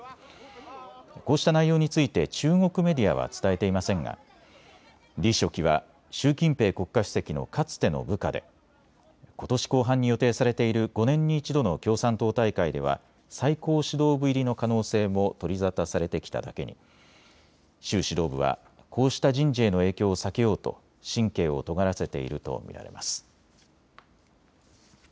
こうした内容について中国メディアは伝えていませんが李書記は習近平国家主席のかつての部下でことし後半に予定されている５年に１度の共産党大会では最高指導部入りの可能性も取り沙汰されてきただけに習指導部はこうした人事への影響を避けようと神経をとがらせていると見られます。